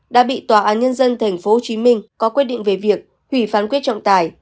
đã bị tòa án nhân dân tp hcm có quyết định về việc hủy phán quyết trọng tài